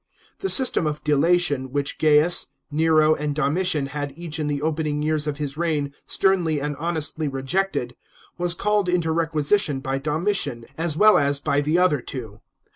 The system of delation which G aius, Nero, and Domitian had each in the opening years of his reign sternly and honestly rejected, was called into requisition by Domitian, as well as by the other two.